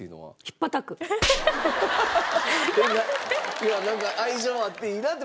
いやなんか愛情あっていいなって